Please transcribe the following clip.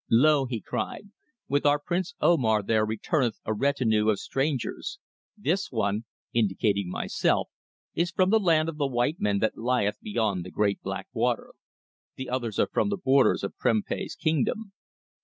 "Lo!" he cried. "With our Prince Omar there returneth a retinue of strangers. This one," indicating myself, "is from the land of the white men that lieth beyond the great black water. The others are from the borders of Prempeh's kingdom."